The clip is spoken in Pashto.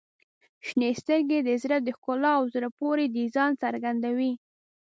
• شنې سترګې د زړه د ښکلا او زړه پورې ډیزاین څرګندوي.